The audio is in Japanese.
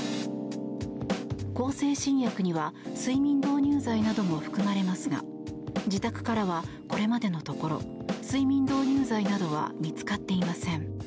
向精神薬には睡眠導入剤なども含まれますが自宅からは、これまでのところ睡眠導入剤などは見つかっていません。